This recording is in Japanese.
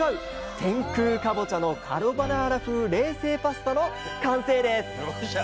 天空かぼちゃのカルボナーラ風冷製パスタの完成です！